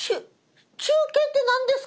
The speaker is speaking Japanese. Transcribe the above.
中継って何ですか？